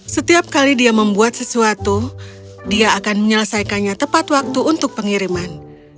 setiap kali dia membuat sesuatu dia akan menyelesaikannya tepat waktu untuk pengiriman